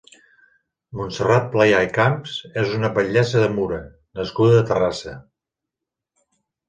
Montserrat Playà i Camps és una batllessa de Mura nascuda a Terrassa.